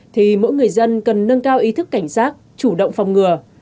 thì mỗi người dân cần nâng cao ý thức cảnh giác chủ động phòng ngừa